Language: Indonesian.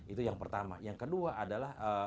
itu yang pertama yang kedua adalah